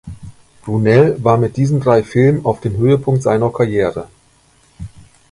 Brunel war mit diesen drei Filmen auf dem Höhepunkt seiner Karriere.